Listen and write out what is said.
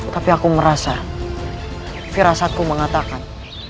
tapi aku merasa firasaku mengatakan